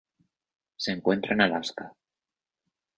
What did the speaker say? Se encuentra en Alaska.